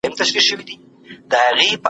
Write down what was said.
که تنوع کمه شي ستونزه پیدا کېږي.